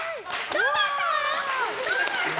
どうだった？